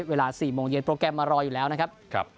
เวลา๔โมงเย็นโปรแกรมมารออยู่แล้วนะครับ